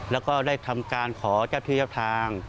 แล้วก็ได้ทำการขอเจ้าที่เจ้าทาง